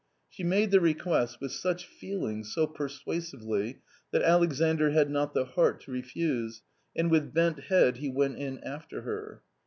She made the request with such feeling, so persuasively, that Alexandr had not the heart to refuse, and with bent head he went in after her.